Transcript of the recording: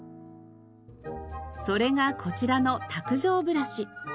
それがこちらの卓上ブラシ。